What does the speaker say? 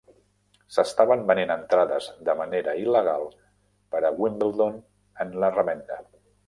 S'estaven venent entrades de manera il·legal per a Wimbledon en la revenda.